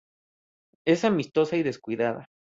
Es amistosa y descuidada.